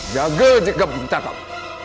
jaga jika bintang